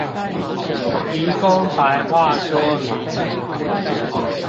提供白話說明